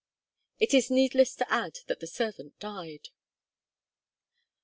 It is needless to add that the servant died.